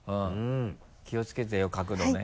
気を付けてよ角度ね。